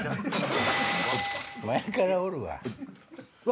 前からおるわ！